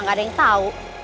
nah gak ada yang tau